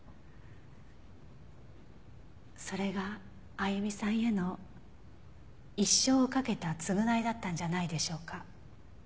それがあゆみさんへの一生をかけた償いだったんじゃないでしょうか。